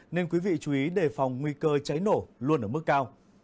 nên quý vị chú ý đề phòng nguy cơ cháy nổ luôn ở mức cao